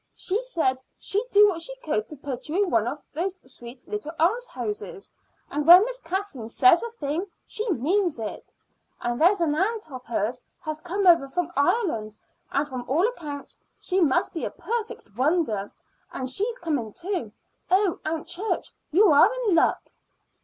She said she'd do what she could to put you into one of those sweet little almshouses; and when Miss Kathleen says a thing she means it. And there's an aunt of hers has come over from Ireland and from all accounts she must be a perfect wonder and she's coming, too. Oh, Aunt Church, you are in luck!"